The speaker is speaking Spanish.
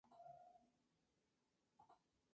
Está casado y tiene tres hijos: Soledad, Pablo y Mariana.